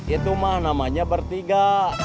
itu mah namanya bertiga